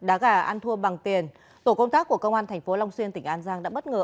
đá gà ăn thua bằng tiền tổ công tác của công an tp long xuyên tỉnh an giang đã bất ngờ